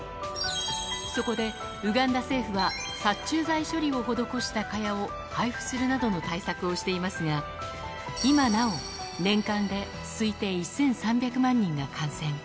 そこでウガンダ政府は、殺虫剤処理を施した蚊帳を配布するなどの対策をしていますが、今なお、年間で推定１３００万人が感染。